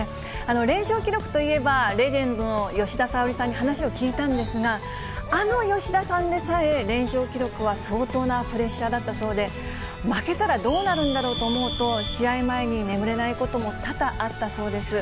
連勝記録といえば、レジェンドの吉田沙保里さんに話を聞いたんですが、あの吉田さんでさえ、連勝記録は相当なプレッシャーだったそうで、負けたらどうなるんだろうと思うと、試合前に眠れないことも多々あったそうです。